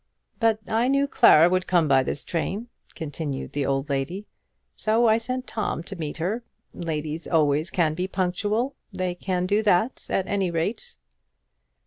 "But I knew Clara would come by this train," continued the old lady; "so I sent Tom to meet her. Ladies always can be punctual; they can do that at any rate."